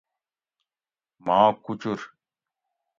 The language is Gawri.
ماں کوچور